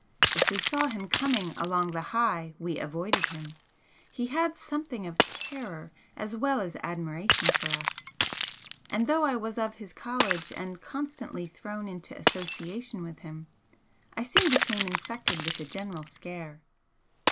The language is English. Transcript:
If we saw him coming along the 'High' we avoided him, he had something of terror as well as admiration for us, and though I was of his college and constantly thrown into association with him, I soon became infected with the general scare.